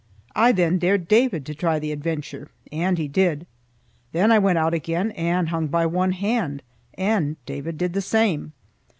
I then dared David to try the adventure, and he did. Then I went out again and hung by one hand, and David did the same.